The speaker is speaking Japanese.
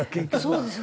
そうです